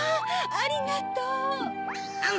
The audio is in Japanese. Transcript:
ありがとう！ふん！